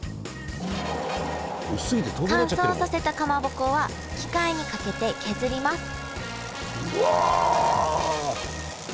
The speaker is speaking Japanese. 乾燥させたかまぼこは機械にかけて削りますうわ。